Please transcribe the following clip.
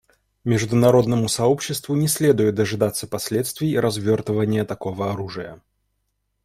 Международному сообществу не следует дожидаться последствий развертывания такого оружия.